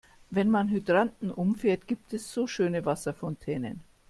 Wenn man Hydranten umfährt, gibt es so schöne Wasserfontänen.